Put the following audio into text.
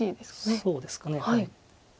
そうですかね。